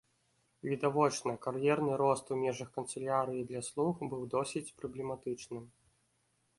Відавочна, кар'ерны рост у межах канцылярыі для слуг быў досыць праблематычным.